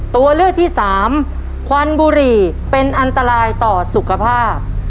ตัวเลือกที่สามควันบุหรี่เป็นอันตรายต่อสุขภาพ